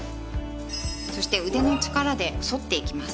そして腕の力で反っていきます。